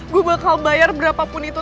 gue bakal bayar berapapun itu